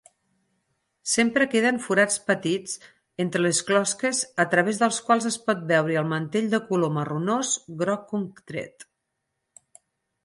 Sempre queden forats petits entre les closques a través dels quals es pot veure el mantell de color marronós-groc contret.